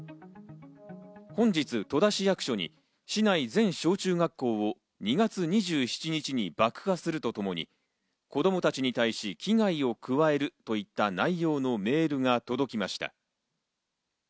本日、戸田市役所に市内全小中学校を２月２７日に爆破するとともに、子供たちに対し、危害を加えるといった内容のメールが届きました。